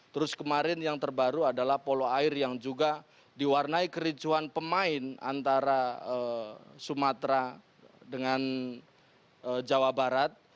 terus kemarin yang terbaru adalah polo air yang juga diwarnai kericuan pemain antara sumatera dengan jawa barat